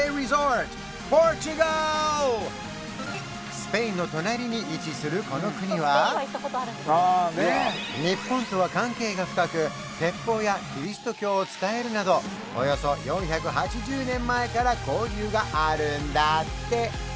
スペインの隣に位置するこの国は日本とは関係が深く鉄砲やキリスト教を伝えるなどおよそ４８０年前から交流があるんだって！